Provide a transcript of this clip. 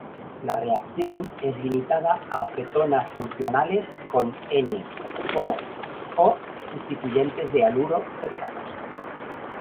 La reacción es limitada a cetonas funcionales con N,O o sustituyentes de haluro cercanos.